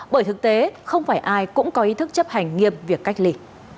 bởi thực tế không phải ai cũng có ý thức chấp hành nghiêm việc cách ly